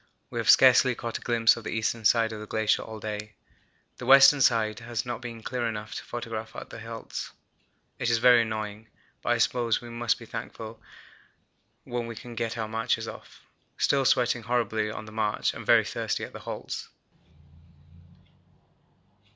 We have scarcely caught a gimpse of the eastern side of the glacier all day. The western side has not been clear enough to photograph at the halts. It is very annoying, but I suppose we must be thankful when we can get our marches off. Still sweating horribly on the march and very thirsty at the halts.